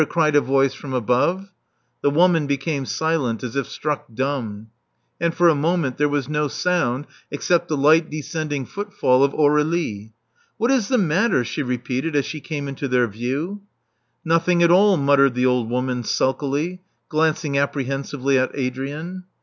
cried a voice from above. The woman became silent as if struck dumb; and for a moment there was no sound except the light descend ing footfall of Aurdlie. What is the matter?" she repeated, as she came into their view. Nothing at all," muttered the old woman sulkily, glancing apprehensively at Adrian.